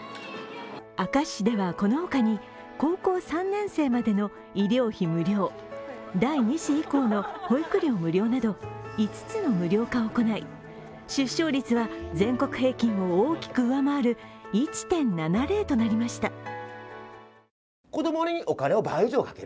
明石市ではこのほかに、高校３年生までの医療費無料、第２子以降の保育料無料など、５つの無料化を行い、出生率は全国平均を大きく上回る１．７０となりました。